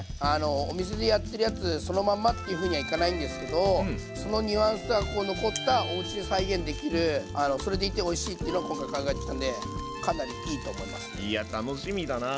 お店でやってるやつそのまんまっていうふうにはいかないんですけどそのニュアンスが残ったおうちで再現できるそれでいておいしいっていうのを今回考えてきたんでかなりいいと思いますね。